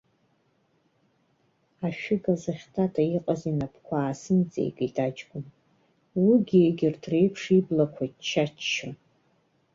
Ашәыга зыхьтата иҟаз инапқәа аасымҵеикит аҷкәын, уигьы егьырҭ реиԥш иблақәа ччаччон.